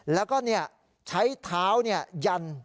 แล้วก็ใช้เท้ายัน